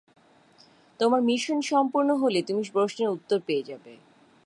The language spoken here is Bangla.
তোমার মিশন সম্পূর্ণ হলে তুমি প্রশ্নের উত্তর পেয়ে যাবে।